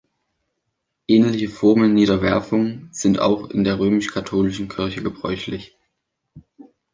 Ähnliche Formen Niederwerfung sind auch in der römisch-katholischen Kirche gebräuchlich.